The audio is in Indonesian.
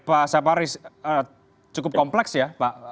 pak saparis cukup kompleks ya pak